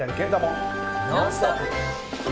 「ノンストップ！」。